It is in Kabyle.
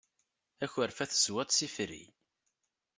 Akerfa tezwiḍ-t s ifri.